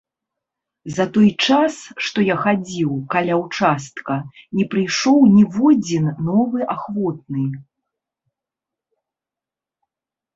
За той час, што я хадзіў, каля ўчастка, не прыйшоў ніводзін новы ахвотны.